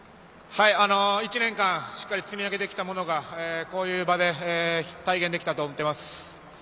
１年間、しっかり積み上げてきたものがこういう場で体現できたと思っています。